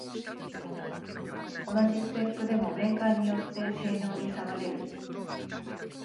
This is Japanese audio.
同じスペックでもメーカーによって性能に差が出る